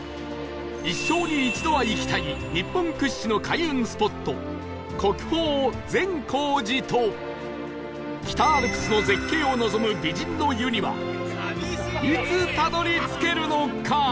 一生に一度は行きたい日本屈指の開運スポット国宝善光寺と北アルプスの絶景を望む美人の湯にはいつたどり着けるのか？